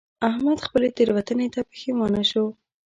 احمد خپلې تېروتنې ته پښېمانه شو.